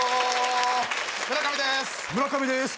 村上です